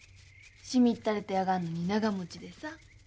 しみったれてやがんのに長もちでさ。